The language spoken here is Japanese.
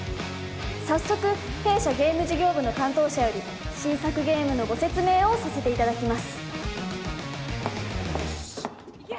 早速弊社ゲーム事業部の担当者より新作ゲームのご説明をさせていただきますよ